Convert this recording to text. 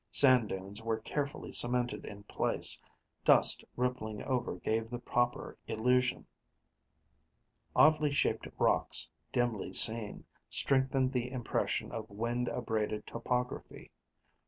Sand dunes were carefully cemented in place; dust rippling over gave the proper illusion. Oddly shaped rocks, dimly seen, strengthened the impression of wind abraded topography.